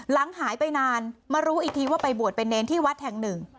หลังหายไปนานมารู้อีกทีว่าไปบวชเป็นเนรที่วัดแห่งหนึ่ง